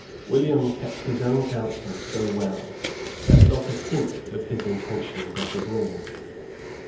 William kept his own counsel so well that not a hint of his intention got abroad.